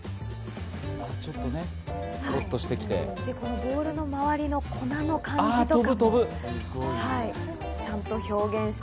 ボウルの周りの粉の感じとか。